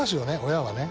親はね。